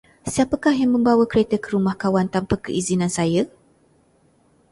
Siapakah yang membawa kereta ke rumah kawan tanpa keizinan saya?